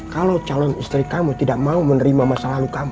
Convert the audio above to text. kalau calon istri kamu tidak mau menerima masa lalu kamu